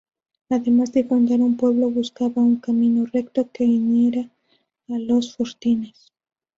Además de fundar un pueblo, buscaba un camino recto que uniera a los fortines.